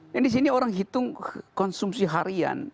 dan disini orang hitung konsumsi harian